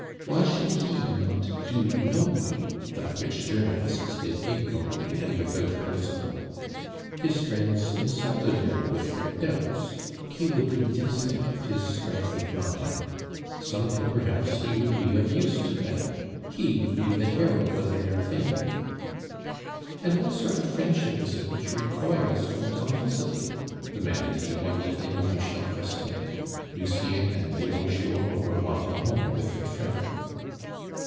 Why should he not do nobly that which journalists did ignobly and without principle? His friends insulted him with their doubts; he would convince them of his strength of mind. Some day, perhaps, he would be of use to them; he would be the herald of their fame! "And what sort of a friendship is it which recoils from complicity?" demanded he one evening of Michel Chrestien; Lucien and Leon Giraud were walking home with their friend.